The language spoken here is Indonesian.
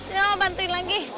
ya bantuin lagi